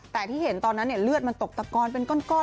แต่ที่เห็นตอนนั้นเลือดมันตกตะกอนเป็นก้อน